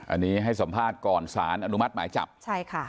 อันนี้ให้สัมภาษณ์ก่อนสารอนุมัติหมายจับใช่ค่ะ